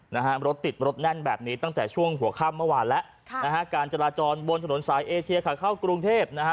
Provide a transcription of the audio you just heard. นะฮะรถติดรถแน่นแบบนี้ตั้งแต่ช่วงหัวข้ามเมื่อวานแล้วค่ะนะฮะการจราจรบนถนนสายเอเชียขาเข้ากรุงเทพนะฮะ